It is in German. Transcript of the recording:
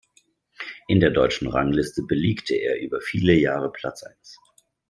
In der Deutschen Rangliste belegte er über viele Jahre Platz eins.